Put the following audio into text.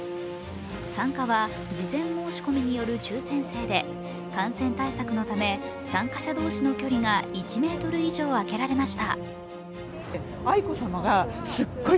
参加は事前申し込みによる抽選制で感染対策のため参加者同士の距離が１ｍ以上あけられました。